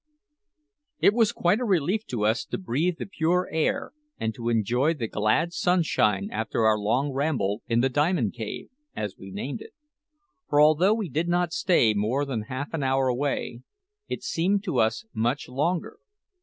It was quite a relief to us to breathe the pure air and to enjoy the glad sunshine after our long ramble in the Diamond Cave, as we named it; for although we did not stay more than half an hour away, it seemed to us much longer.